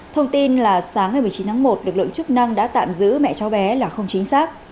thông tin là sáng ngày một mươi chín tháng một lực lượng chức năng đã tạm giữ mẹ cháu bé là không chính xác